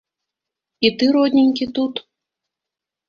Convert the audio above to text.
І ты, родненькі, тут?